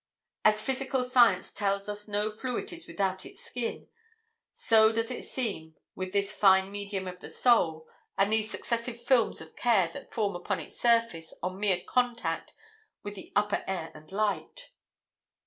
As physical science tells us no fluid is without its skin, so does it seem with this fine medium of the soul, and these successive films of care that form upon its surface on mere contact with the upper air and light.